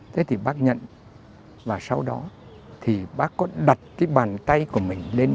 thế thì bác nhận và sau đó thì bác có đặt cái bàn tay của mình lên